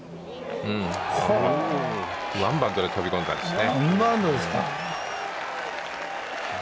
ワンバウンドで飛び込んだんですね。